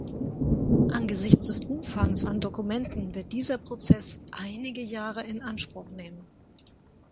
Angesichts des Umfangs an Dokumenten wird dieser Prozess einige Jahre in Anspruch nehmen.